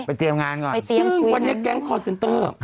ไปเตรียมงานก่อนซึ่งวันนี้แก๊งคอร์นเซ็นเตอร์